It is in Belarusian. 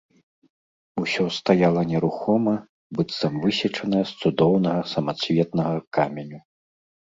Усё стаяла нерухома, быццам высечанае з цудоўнага самацветнага каменю.